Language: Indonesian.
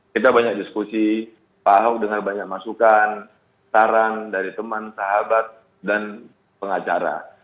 kita banyak diskusi pak ahok dengar banyak masukan saran dari teman sahabat dan pengacara